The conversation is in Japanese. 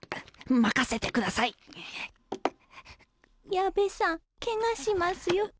矢部さんケガしますよ。